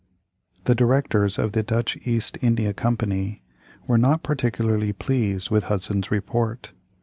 ] The directors of the Dutch East India Company were not particularly pleased with Hudson's report.